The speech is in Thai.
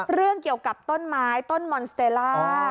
เรื่องเกี่ยวกับต้นไม้ต้นมอนสเตรล่า